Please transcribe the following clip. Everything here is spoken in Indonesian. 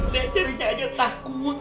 lihat jaringannya aja takut